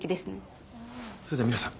それでは皆さん